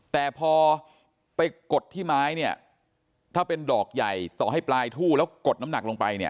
แต่พอไปกดที่ไม้เนี่ยถ้าเป็นดอกใหญ่ต่อให้ปลายทู่แล้วกดน้ำหนักลงไปเนี่ย